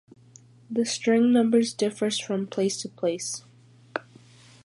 The string number differs from place to place.